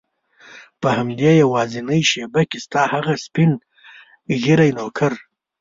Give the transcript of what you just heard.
په همدې یوازینۍ شېبه کې ستا هغه سپین ږیری نوکر.